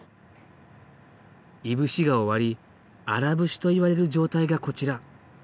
いぶしが終わり荒節といわれる状態がこちら。